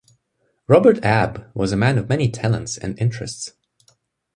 Robert Abbe was a man of many talents and interests.